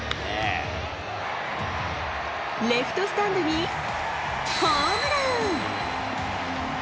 レフトスタンドにホームラン。